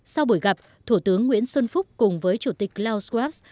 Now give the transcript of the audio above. sau buổi gặp thủ tướng nguyễn xuân phúc cùng với chủ tịch klaus schwab